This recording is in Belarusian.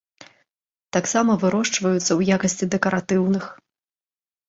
Таксама вырошчваюцца ў якасці дэкаратыўных.